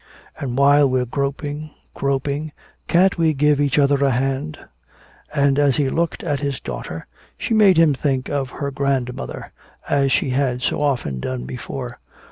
And while we're groping, groping, can't we give each other a hand?" And as he looked at his daughter, she made him think of her grandmother, as she had so often done before.